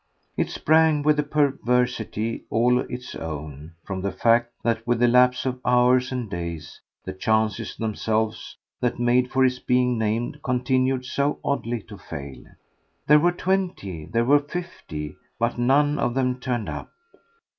It sprang, with a perversity all its own, from the fact that, with the lapse of hours and days, the chances themselves that made for his being named continued so oddly to fail. There were twenty, there were fifty, but none of them turned up.